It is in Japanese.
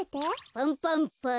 パンパンパン。